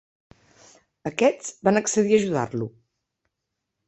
Aquests van accedir a ajudar-lo.